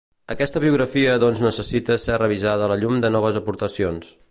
Aquesta biografia doncs necessita ser revisada a la llum de noves aportacions.